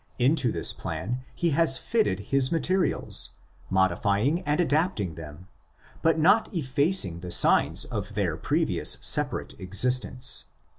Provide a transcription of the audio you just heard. Into this plan he has fitted his materials, modifying and adapting them, but not effacing the signs of their previous separate existence.